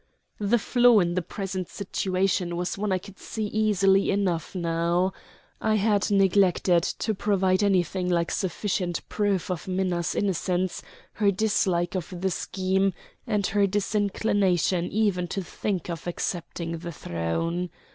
The flaw in the present situation was one I could see easily enough now. I had neglected to provide anything like sufficient proof of Minna's innocence, her dislike of the scheme, and her disinclination even to think of accepting the throne.